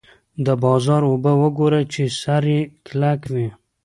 د بازار اوبه وګورئ چې سر یې کلک وي.